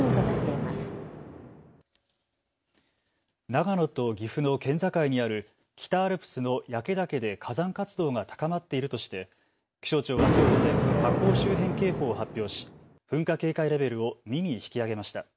長野と岐阜の県境にある北アルプスの焼岳で火山活動が高まっているとして気象庁はきょう午前、火口周辺警報を発表し噴火警戒レベルを２に引き上げました。